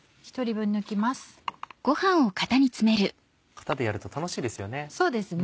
型でやると楽しいですよね。